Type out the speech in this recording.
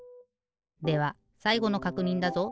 ではさいごのかくにんだぞ！